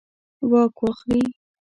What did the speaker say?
واک واخلي.